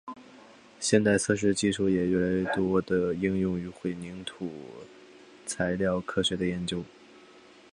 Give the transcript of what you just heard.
现代测试技术也越来越多地应用于混凝土材料科学的研究。